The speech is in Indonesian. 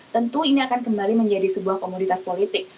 tentu ini akan kembali menjadi sebuah komunitas politik